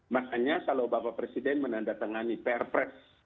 makanya kalau bapak presiden menandatangani pr press